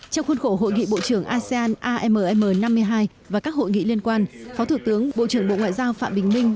trong khuôn khổ hội nghị bộ trưởng asean amm năm mươi hai và các hội nghị liên quan phó thủ tướng bộ trưởng bộ ngoại giao phạm bình minh